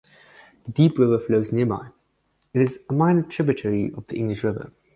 The Deep River flows nearby; it is a minor tributary of the English River.